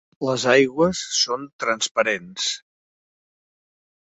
Les aigües són transparents.